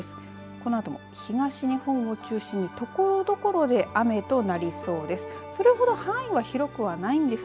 このあとも東日本を中心にところどころで雨となりそうです。